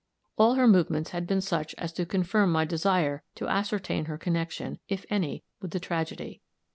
All her movements had been such as to confirm my desire to ascertain her connection, if any, with the tragedy.